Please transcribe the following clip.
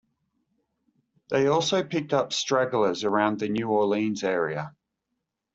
They also picked up stragglers around the New Orleans area.